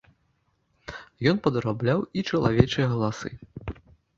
Ён падрабляў і чалавечыя галасы.